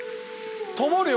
ともるよ